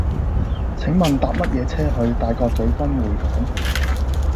請問搭乜嘢車去大角嘴君匯港